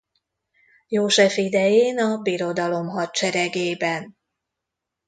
József idején a birodalom hadseregében.